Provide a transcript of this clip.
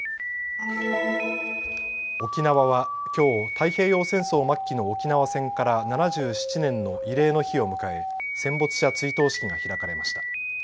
沖縄はきょう、太平洋戦争末期の沖縄戦から７７年の慰霊の日を迎え戦没者追悼式が開かれました。